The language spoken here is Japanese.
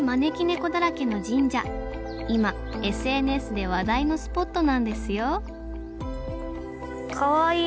今ＳＮＳで話題のスポットなんですよかわいい！